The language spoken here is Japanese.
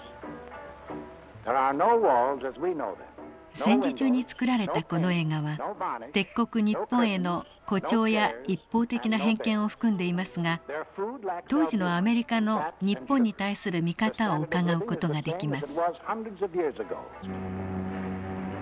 戦時中に作られたこの映画は敵国日本への誇張や一方的な偏見を含んでいますが当時のアメリカの日本に対する見方をうかがう事ができます。